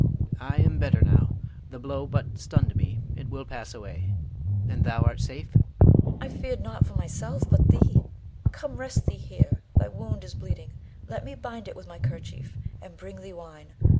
I am better now. The blow but stunned me, it will pass away. And thou art safe? Leonore. I feared not for myself, but thee. Come, rest thee here, thy wound is bleeding; let me bind it with my kerchief, and bring thee wine.